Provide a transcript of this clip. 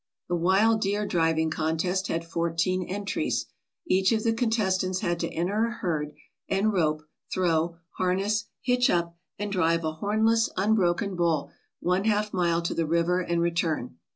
The wild deer driving contest had fourteen entries. Each of the contestants had to enter a herd, and rope, throw, harness, hitch up, and drive a hornless, unbroken bull one half mile to the river and return.